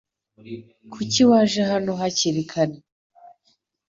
Kuki waje hano hakiri kare?